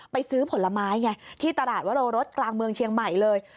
ซื้อผลไม้ไงที่ตลาดวโรรสกลางเมืองเชียงใหม่เลย